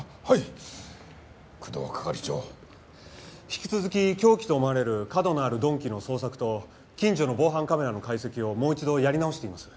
引き続き凶器と思われる角のある鈍器の捜索と近所の防犯カメラの解析をもう一度やり直しています。